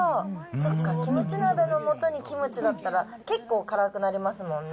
そっか、キムチ鍋のもとにキムチだったら、結構辛くなりますもんね。